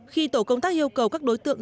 khi tổ công tác yêu cầu các đối tượng